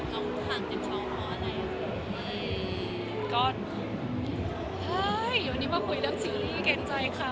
ตอนนี้ก็หมาคุยเรื่องซีรีส์เกรงใจเค้า